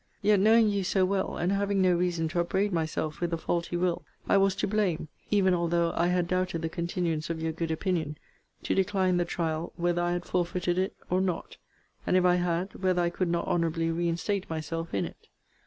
Yet, knowing you so well, and having no reason to upbraid myself with a faulty will, I was to blame, (even although I had doubted the continuance of your good opinion,) to decline the trial whether I had forfeited it or not; and if I had, whether I could not honourably reinstate myself in it.